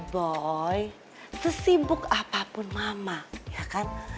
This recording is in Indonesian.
boy sesibuk apapun mama ya kan